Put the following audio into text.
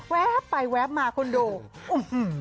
แว๊บไปแว๊บมาคนดู